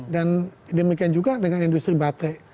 dan demikian juga dengan industri baterai